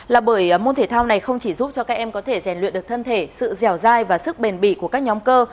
là bởi môn thể thao này không chỉ giúp cho các em có thể rèn luyện được thân thể sự dẻo dai và sức bền bỉ của các nhóm cơ